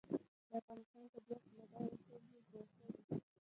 د افغانستان طبیعت له دغو کلیو جوړ شوی دی.